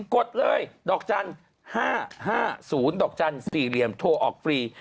กดเลยดอกจันทร์๕๕๐ดอกจันทร์๔เหลี่ยมโทรออกฟรี